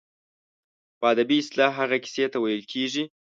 په ادبي اصطلاح هغې کیسې ته ویل کیږي.